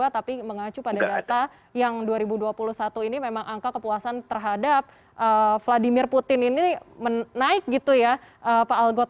tapi mengacu pada data yang dua ribu dua puluh satu ini memang angka kepuasan terhadap vladimir putin ini menaik gitu ya pak algot